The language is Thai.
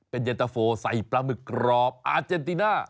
เป็นเย็นตะโฟใส่ปลาหมึกกรอบอาเจนติน่า